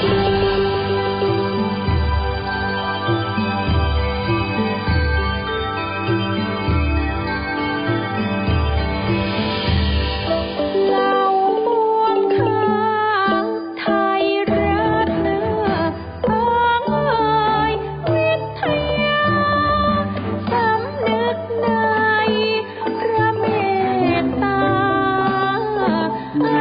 เราบวงทางไทยราชเนื้ออาเงยหวีดทียา